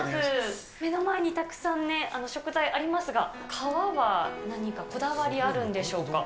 目の前にたくさんね、食材ありますが、皮は何かこだわりあるんでしょうか。